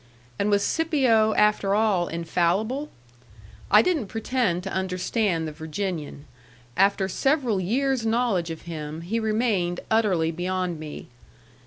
And was Scipio, after all, infallible? I didn't pretend to understand the Virginian; after several years' knowledge of him he remained utterly beyond me.